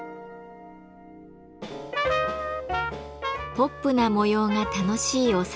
ポップな模様が楽しいお皿たち。